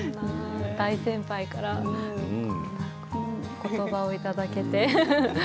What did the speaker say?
大先輩からこんな言葉をいただけて。